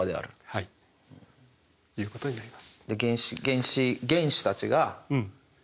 はいそういうことになります。